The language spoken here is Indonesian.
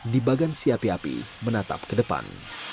di bagan si api api menatap ke depan